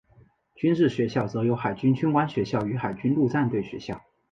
军事学校则有海军军官学校与海军陆战队学校。